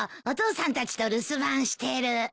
お父さんたちと留守番してる。